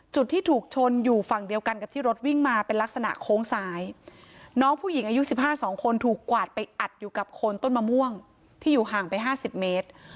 จุดที่ถูกชนอยู่ฝั่งเดียวกันกับที่รถวิ่งมาเป็นลักษณะโค้งซ้ายน้องผู้หญิงอายุ๑๕๒คนถูกกวาดไปอัดอยู่กับโคนต้นมะม่วงที่อยู่ห่างไป๕๐เมตร